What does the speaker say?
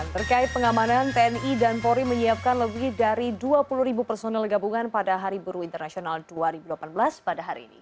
terkait pengamanan tni dan polri menyiapkan lebih dari dua puluh ribu personel gabungan pada hari buru internasional dua ribu delapan belas pada hari ini